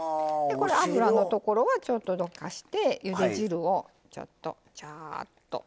脂のところはちょっとどかしてゆで汁をちょっとジャーッと。